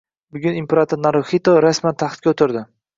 Bugun imperator Naruxito rasman taxtga o'tirdi